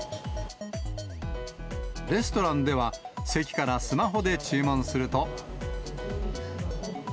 レストランでは、席からスマホで注文すると。